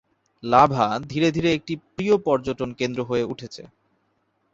Lava ধীরে ধীরে একটি প্রিয় পর্যটন কেন্দ্র হয়ে উঠেছে।